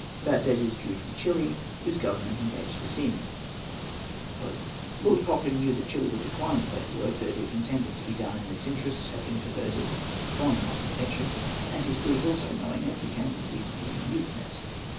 That debt is due from Chili, whose Government engaged the seamen." Lord Cochrane knew that Chili would decline to pay for work that, if intended to be done in its interests, had been perverted from that intention; and his crews, also knowing it, became reasonably mutinous.